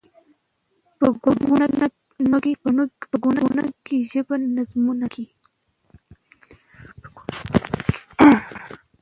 په ګونګه ژبه نظمونه لیکم